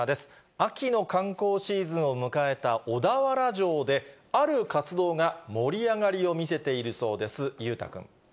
秋の観光シーズンを迎えた小田原城で、ある活動が盛り上がりを見せているそうです。